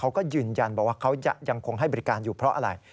เขาก็ยืนยันบอกว่าเขายังคงให้บริการอยู่เพราะอะไร